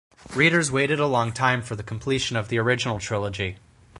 Readers waited a long time for the completion of the original trilogy.